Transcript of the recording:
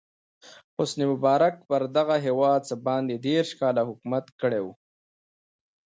حسن مبارک پر دغه هېواد څه باندې دېرش کاله حکومت کړی و.